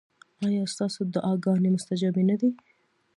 ایا ستاسو دعاګانې مستجابې نه دي؟